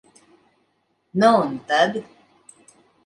Nu un tad?